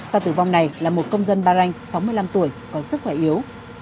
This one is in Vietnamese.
ca tử vong này là một công dân bahrain sáu mươi năm tuổi có sức khỏe yếu